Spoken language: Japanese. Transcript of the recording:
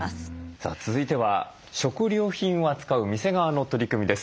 さあ続いては食料品を扱う店側の取り組みです。